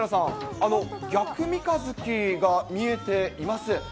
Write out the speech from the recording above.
あの、逆三日月が見えています。